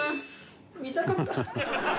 見たかった。